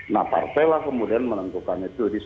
nah partai lah kemudian menentukan itu